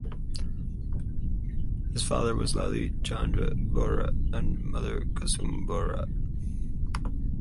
His father was Lalit Chandra Bora and mother Kusum Bora.